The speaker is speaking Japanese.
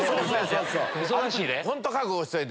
忙しいで？